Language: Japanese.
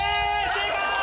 正解！